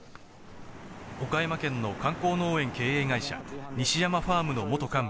岡山県の観光農園経営会社・西山ファームの元幹部